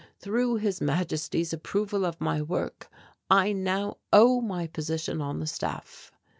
Through His Majesty's approval of my work I now owe my position on the Staff.